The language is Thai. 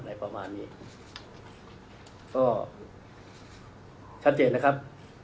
อะไรประมาณนี้ก็ชัดเจนนะครับ